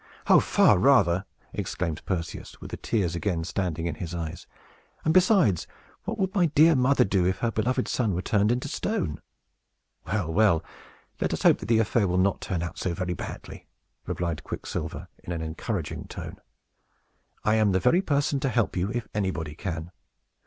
"Oh, far rather!" exclaimed Perseus, with the tears again standing in his eyes. "And, besides, what would my dear mother do, if her beloved son were turned into a stone?" "Well, well, let us hope that the affair will not turn out so very badly," replied Quicksilver, in an encouraging tone. "I am the very person to help you, if anybody can.